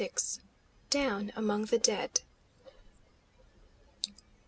DOWN AMONG THE DEAD.